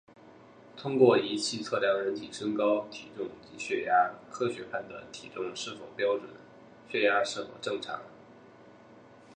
通过仪器测量人体身高、体重及血压，科学判断体重是否标准、血压是否正常